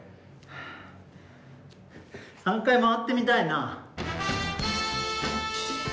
３回回ってみたいな。